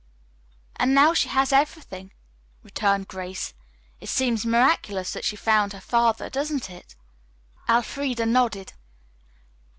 "And now she has everything," returned Grace. "It seems miraculous that she found her father, doesn't it?" Elfreda nodded.